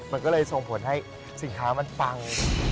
มันก็เลยส่งผลให้สินค้ามันปัง